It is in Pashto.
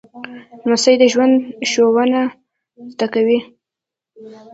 لمسی د ژوند ښوونه زده کوي.